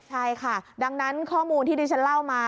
ใช่ค่ะดังนั้นข้อมูลที่ดิฉันเล่ามา